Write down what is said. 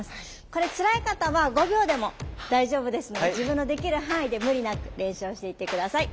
これつらい方は５秒でも大丈夫ですので自分のできる範囲で無理なく練習をしていって下さい。